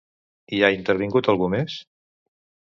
Hi ha intervingut algú més?